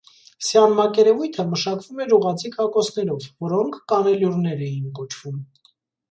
Սյան մակերևույթը մշակվում էր ուղղաձիգ ակոսներով, որոնք կանելյուրներ էին կոչվում։